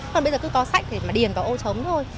còn bây giờ cứ có sách để mà điền vào ô trống thôi